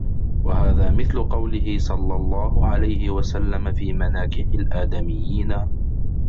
وَهَذَا مِثْلُ قَوْلِهِ صَلَّى اللَّهُ عَلَيْهِ وَسَلَّمَ فِي مَنَاكِحِ الْآدَمِيِّينَ